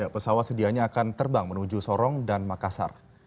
pesawat sedianya akan terbang menuju sorong dan makassar